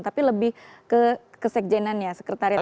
tapi lebih ke sekjenannya sekretariatnya